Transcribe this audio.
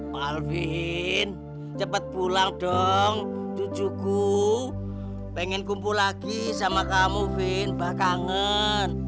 pak alvin cepet pulang dong cucuku pengen kumpul lagi sama kamu vin bahkangen